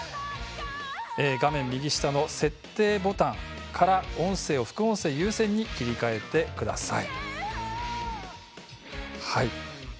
画面右下の設定ボタンから音声を副音声を優先に切り替えてください。